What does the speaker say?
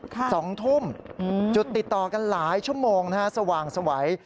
สองทุ่มจุดติดต่อกันหลายชั่วโมงนะฮะสว่างสวัย